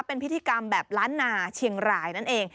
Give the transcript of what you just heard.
เป็นพิธีกรรมแบบล้านนาเชียงรายนั่นเอง